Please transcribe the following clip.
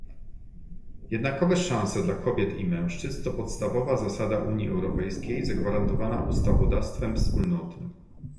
Jednakowe szanse dla kobiet i mężczyzn to podstawowa zasada Unii Europejskiej zagwarantowana ustawodawstwem Wspólnoty